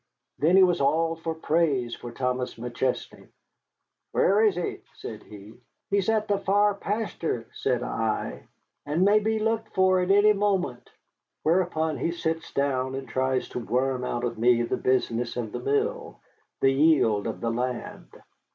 Then he was all for praise of Thomas McChesney. 'Where is he?' said he. 'He is at the far pasture,' said I, 'and may be looked for any moment.' Whereupon he sits down and tries to worm out of me the business of the mill, the yield of the land.